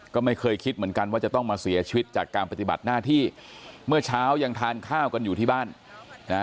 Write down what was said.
ก็ไม่เคยคิดเหมือนกันว่าจะต้องมาเสียชีวิตจากการปฏิบัติหน้าที่เมื่อเช้ายังทานข้าวกันอยู่ที่บ้านนะ